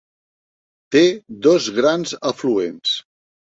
Té dos grans afluents.